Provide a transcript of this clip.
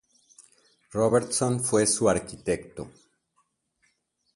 Robertson fue su arquitecto.